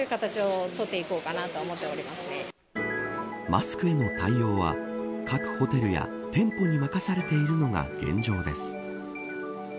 マスクへの対応は各ホテルや店舗に任されているのが現状です。